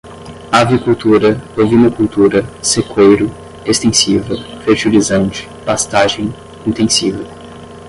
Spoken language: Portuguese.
avicultura, ovinocultura, sequeiro, extensiva, fertilizante, pastagem, intensiva